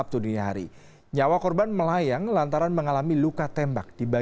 tidak ada yang mau berpikir